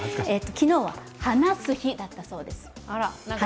昨日は話す日だったそうです。